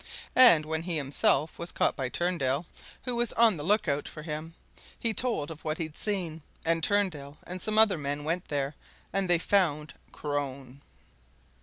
And when he himself was caught by Turndale, who was on the look out for him, he told of what he'd seen, and Turndale and some other men went there, and they found Crone!"